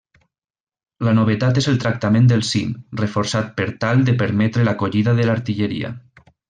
La novetat és el tractament del cim, reforçat per tal de permetre l'acollida de l'artilleria.